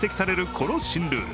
この新ルール。